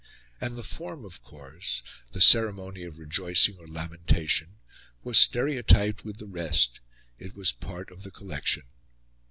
And the form, of course the ceremony of rejoicing or lamentation was stereotyped with the rest: it was part of the collection.